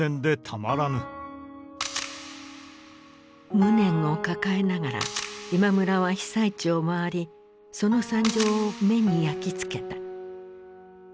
無念を抱えながら今村は被災地を回りその惨状を目に焼き付けた。